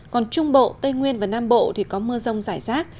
còn trung bộ tây nguyên và nam bộ thì có mưa rông rải rác